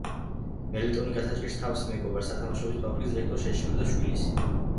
მელიტონი გასაჭირს თავის მეგობარს, სათამაშოების ფაბრიკის დირექტორს შესჩივლებს და შვილის დროებით სამუშაოდ მიღებას თხოვს.